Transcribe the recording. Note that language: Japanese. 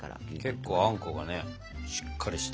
結構あんこがしっかりした。